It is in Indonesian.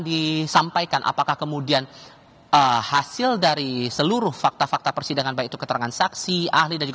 disampaikan apakah kemudian hasil dari seluruh fakta fakta persidangan baik itu